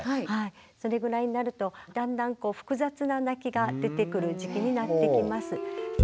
それぐらいになるとだんだん複雑な泣きが出てくる時期になってきます。